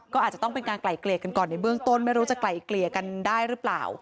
ก็อาจจะต้องเป็นการไกล่เกลียดกันก่อนในเบื้องต้นไม่รู้จะไกล่เกลี่ยกันได้หรือเปล่า